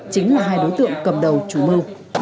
chính là hai đối tượng cầm đầu chủ mơ